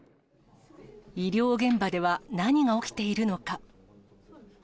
医療現場では何が起きているのか。